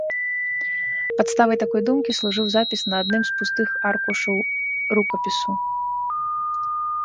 Падставай такой думкі служыў запіс на адным з пустых аркушаў рукапісу.